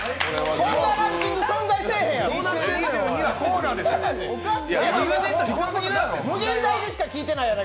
そんなランキング存在せえへんやろ！